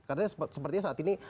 karena sepertinya saat ini